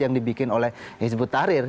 yang dibikin oleh hizbut tahrir